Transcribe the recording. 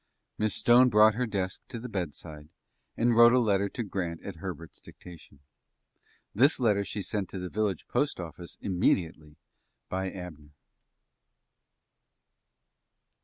Miss Stone brought her desk to the bedside, and wrote a letter to Grant at Herbert's dictation. This letter she sent to the village postoffice immediately by Abner.